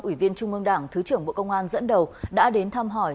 ủy viên trung ương đảng thứ trưởng bộ công an dẫn đầu đã đến thăm hỏi